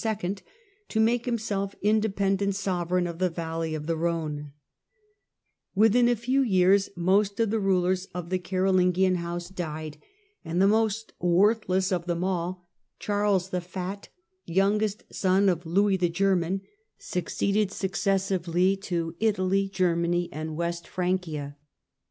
to make himself independent sovereign of the valley of the Rhone. Within a few years most of the rulers of the Caro THE BREAK UP <>F THK 0ABOUN6IAH EMPIRE '217 lincnan house died, and the most worthless of them all, Charles the Fat, youngest son of Louis the German, Charles succeeded successively to Italy, Germany and West Emperor Francia.